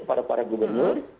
kepada para gubernur